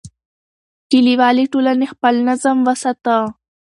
کلیوالي ټولنې خپل نظم وساته.